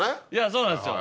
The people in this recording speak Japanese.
そうなんですよ。